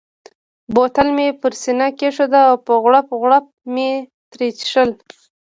بوتل مې پر سینه کښېښود او په غوړپ غوړپ مې ترې څښل.